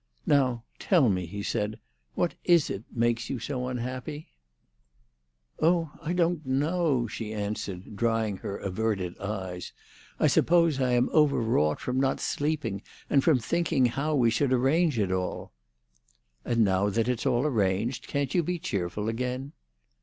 "Now tell me," he said, "what is it makes you unhappy?" "Oh, I don't know," she answered, drying her averted eyes. "I suppose I am overwrought from not sleeping, and from thinking how we should arrange it all." "And now that it's all arranged, can't you be cheerful again?"